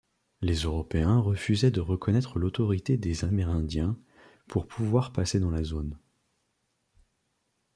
Les européens refusaient de reconnaître l'autorité des Amérindiens pour pouvoir passer dans la zone.